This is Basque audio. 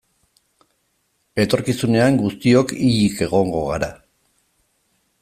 Etorkizunean guztiok hilik egongo gara.